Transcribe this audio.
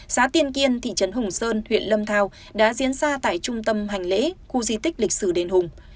xã tiên kiên thị trấn hùng sơn huyện lâm thao đã diễn ra tại trung tâm hành lễ khu di tích lịch sử đền hùng